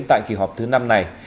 tại kỳ họp thứ năm này